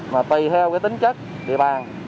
mà tùy theo cái tính chất địa bàn